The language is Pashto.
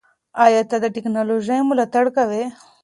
ایا ته د ټیکنالوژۍ ملاتړ کوې؟